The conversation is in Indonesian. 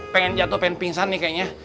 pengen jatuh pengen pingsan nih kayaknya